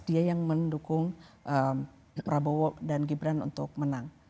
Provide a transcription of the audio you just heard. dia yang mendukung prabowo dan gibran untuk menang